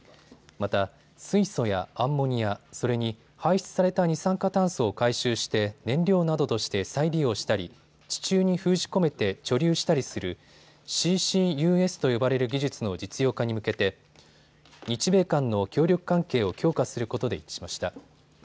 また水素やアンモニア、それに排出された二酸化炭素を回収して燃料などとして再利用したり地中に封じ込めて貯留したりするＣＣＵＳと呼ばれる技術の実用化に向けて日米間の協力関係を強化することで一致しました。